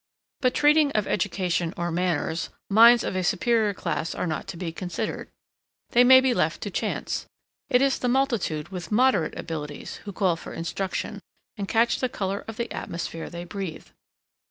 But, treating of education or manners, minds of a superior class are not to be considered, they may be left to chance; it is the multitude, with moderate abilities, who call for instruction, and catch the colour of the atmosphere they breathe.